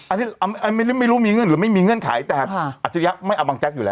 อันนี้ไม่รู้มีเงื่อนหรือไม่มีเงื่อนไขแต่อัจฉริยะไม่เอาบางแจ๊กอยู่แล้ว